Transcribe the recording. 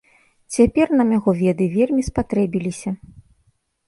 Цяпер нам яго веды вельмі спатрэбіліся.